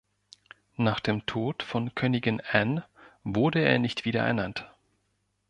Nach dem Tod von Königin Anne wurde er nicht wieder ernannt.